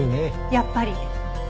やっぱり。